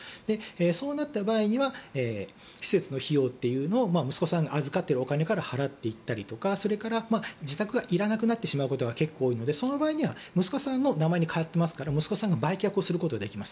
そうなった場合には施設の費用を息子さんが預かっているお金から払っていったりとかそれから自宅がいらなくなってしまうことが結構多いのでその場合は息子さんの名前に変わっていますから息子さんが売却することができます。